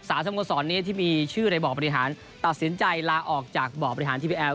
สโมสรนี้ที่มีชื่อในบ่อบริหารตัดสินใจลาออกจากบ่อบริหารทีวีแอล